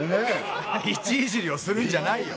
位置いじりをするんじゃないよ。